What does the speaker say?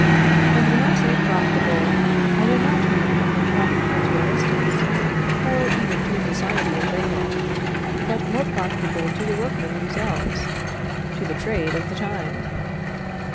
And when I say profitable, I do not mean only profitable to Aristus, or even to society in general, but more profitable to the workmen themselves to the trade of the time.